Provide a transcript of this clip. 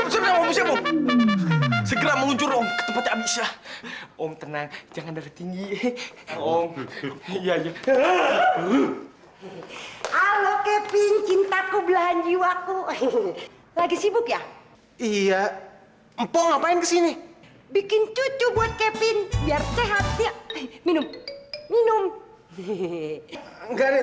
jelek amat dia nasib gue